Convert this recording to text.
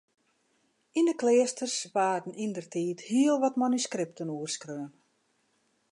Yn 'e kleasters waarden yndertiid hiel wat manuskripten oerskreaun.